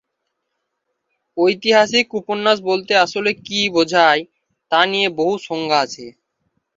ঐতিহাসিক উপন্যাস বলতে আসলে কী বোঝায় তা নিয়ে বহু সংজ্ঞা আছে।